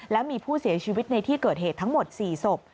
และมีผู้เสียชีวิตในที่เกิดเหตุทั้งหมด๔ศพ